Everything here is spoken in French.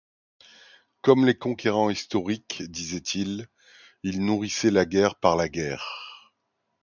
Comme les conquérants historiques, disait-il, il nourrissait la guerre par la guerre.